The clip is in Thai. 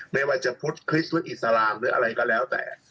ไม่ว่าจะพุทธคริสต์พุทธอิสลามหรืออะไรก็แล้วแต่